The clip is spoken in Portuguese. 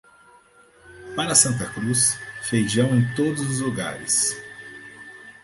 Para Santa Cruz, feijão em todos os lugares.